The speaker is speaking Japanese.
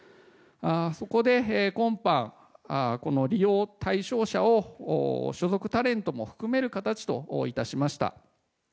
そこで今般、この利用対象者を所属タレントも含める形といたしました。